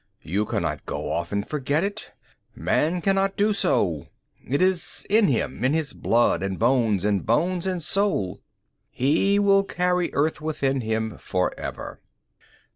You cannot go off and forget it. Man cannot do so. It is in him, in his blood and bones and soul; he will carry Earth within him forever."